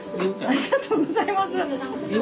ありがとうございます。